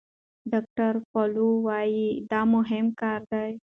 ډاکتر پاولو وايي دا مهم کار دی.